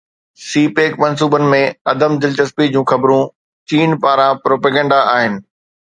سي PEC منصوبن ۾ عدم دلچسپي جون خبرون چين پاران پروپيگنڊا آهن